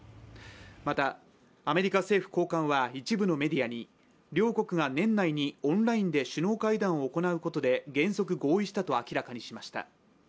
またアメリカ政府高官は一部のメディアに両国が年内にオンラインで首脳会談を行うことで原則合意したと明らかにしました。